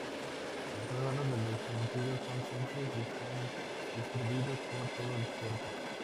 Los órganos de los sentidos son simples y están distribuidos por todo el cuerpo.